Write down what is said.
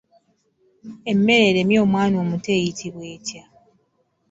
Emmere eremye omwana omuto eyitibwa etya?